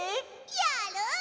やる！